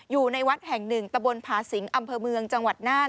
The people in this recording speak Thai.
อยู่ในวัดแห่งหนึ่งตะบนผาสิงอำเภอเมืองจังหวัดน่าน